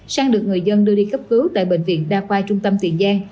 sang được người dân đưa đi cấp cứu tại bệnh viện đa khoa trung tâm tiền giang